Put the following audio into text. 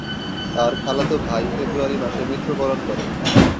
তার খালাতো ভাই ফেব্রুয়ারি মাসে মৃত্যুবরণ করে।